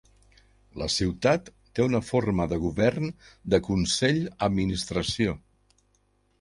La ciutat té una forma de govern de consell-administració.